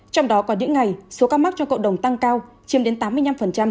trong đó còn những ngày số ca mắc cho cộng đồng tăng cao chiếm đến tám mươi năm